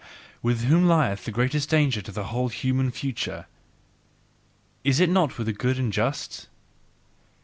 With whom lieth the greatest danger to the whole human future? Is it not with the good and just?